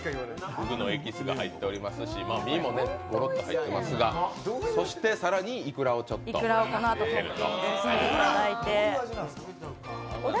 ふぐのエキスが入ってますし身もごろっと入ってますが、そして更に、いくらをちょっとかけると。